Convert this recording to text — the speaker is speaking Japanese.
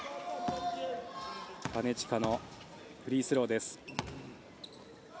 金近のフリースローです。